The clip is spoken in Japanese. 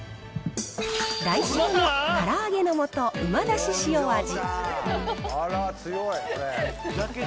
ダイショーのから揚げの素旨だし塩味。